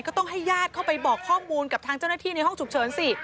ก็ต้องให้ญาติเข้าไปบอกข้อมูลกับทางเจ้าหน้าที่ในห้องฉุกเฉินสิ